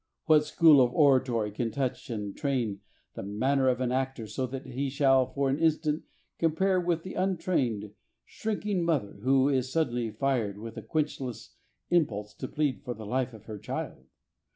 What school of ora tory can touch and train the manner of an actor so that he shall for an instant compare with the untrained, shrinking mother who is suddenly fired with a quenchless impulse to plead for the life of her child?